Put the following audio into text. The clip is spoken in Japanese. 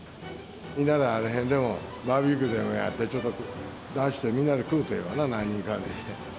みんなであの辺でもバーベキューやって、ちょっと出して、みんな食うとええわな、何人かで。